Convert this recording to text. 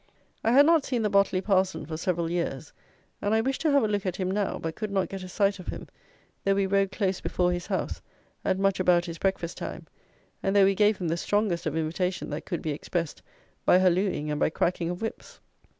I had not seen "the Botley Parson" for several years, and I wished to have a look at him now, but could not get a sight of him, though we rode close before his house, at much about his breakfast time, and though we gave him the strongest of invitation that could be expressed by hallooing and by cracking of whips!